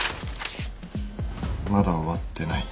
まだ終わってない。